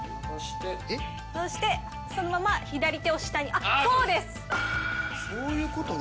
そして、そのまま左手を下に、そういうことね。